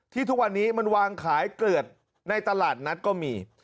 ทุกวันนี้มันวางขายเกลือดในตลาดนัดก็มี